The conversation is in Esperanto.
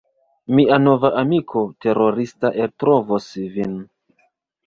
Mia nova amiko terorista eltrovos vin!